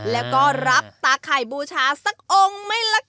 แล้วก็รับตาขายบูชาสักองไม่ละคะ